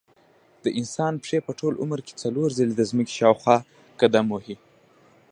د انسان پښې په ټول عمر کې څلور ځلې د ځمکې شاوخوا قدم وهي.